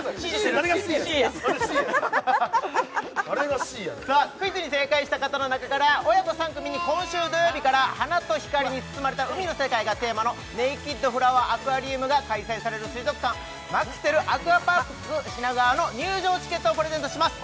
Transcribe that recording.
誰がＣやねん誰がＣやねんクイズに正解した方の中から親子３組に今週土曜日から花と光につつまれた海の世界がテーマのＮＡＫＥＤＦＬＯＷＥＲＡＱＵＡＲＩＵＭが開催される水族館マクセルアクアパーク品川の入場チケットをプレゼントします